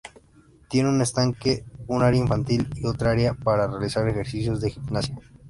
Tiene un estanque, un área infantil, y otra área para realizar ejercicios de gimnasia.